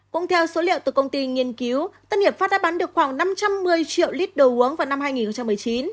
cũng theo số liệu từ công ty nghiên cứu tân hiệp pháp đã bán được khoảng năm trăm một mươi triệu lít đồ uống vào năm hai nghìn một mươi chín